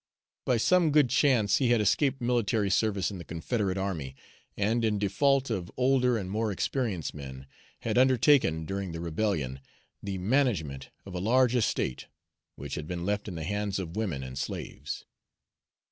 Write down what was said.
By some good chance he had escaped military service in the Confederate army, and, in default of older and more experienced men, had undertaken, during the rebellion, the management of a large estate, which had been left in the hands of women and slaves.